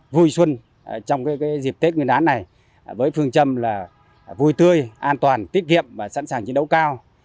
vui xuân trong dịp tết nguyên đán này với phương châm là vui tươi an toàn tiết kiệm và sẵn sàng chiến đấu cao